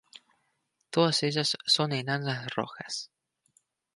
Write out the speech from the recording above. Todas ellas son enanas rojas.